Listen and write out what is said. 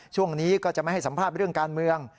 ช่วงนี้ก็จะไม่ให้สัมภาษณ์เรื่องการเมือง